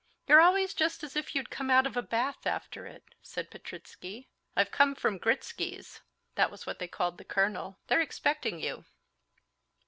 "You're always just as if you'd come out of a bath after it," said Petritsky. "I've come from Gritsky's" (that was what they called the colonel); "they're expecting you."